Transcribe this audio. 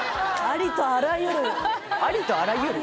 ありとあらゆる